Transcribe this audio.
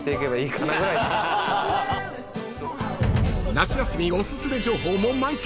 ［夏休みおすすめ情報も満載］